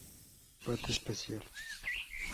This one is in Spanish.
Parte especial.